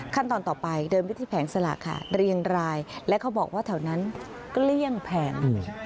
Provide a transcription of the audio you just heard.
ขั้นตอนต่อไปเดินไปที่แผงสลากค่ะเรียงรายและเขาบอกว่าแถวนั้นเกลี้ยงแผง